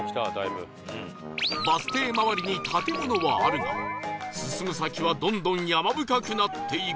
バス停周りに建物はあるが進む先はどんどん山深くなっていく